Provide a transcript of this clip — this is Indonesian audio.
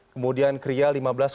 kemudian kria lima belas